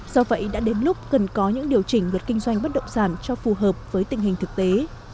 do vậy đã đến lúc cần có những điều chỉnh luật kinh doanh bất động sản cho phù hợp với tình hình thực tế